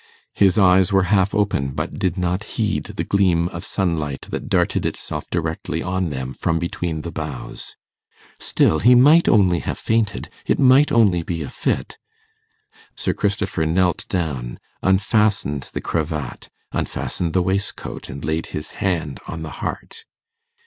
His eyes were half open, but did not heed the gleam of sunlight that darted itself directly on them from between the boughs. Still he might only have fainted; it might only be a fit. Sir Christopher knelt down, unfastened the cravat, unfastened the waistcoat, and laid his hand on the heart.